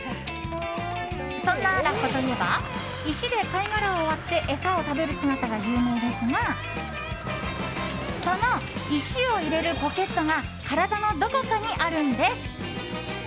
そんなラッコといえば石で貝殻を割って餌を食べる姿が有名ですがその石を入れるポケットが体のどこかにあるんです。